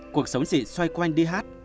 cuộc sống chị xoay quanh đi hát